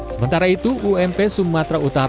sementara itu ump sumatera utara